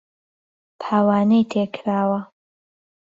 پاوانەی تێ کراوە